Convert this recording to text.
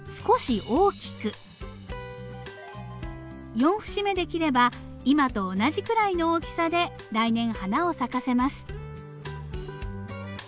４節目で切れば今と同じくらいの大きさで来年花を咲かせます。